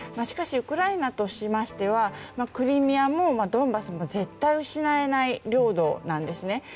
しかし、ウクライナとしましてはクリミアもドンバスも絶対失えない領土なんですね。